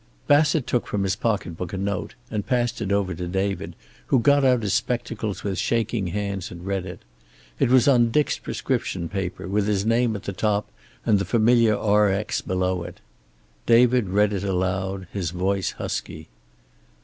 Bassett took from his pocket book a note, and passed it over to David, who got out his spectacles with shaking hands and read it. It was on Dick's prescription paper, with his name at the top and the familiar Rx below it. David read it aloud, his voice husky.